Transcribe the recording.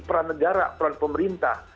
peran negara peran pemerintah